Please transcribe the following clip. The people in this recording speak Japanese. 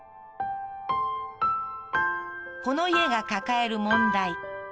この家が抱える問題